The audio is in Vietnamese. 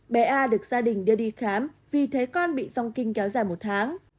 bé a được gia đình đưa đi khám vì thấy con bị rong kinh kéo dài một tháng